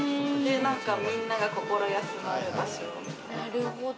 みんなが心休まる場所みたいな。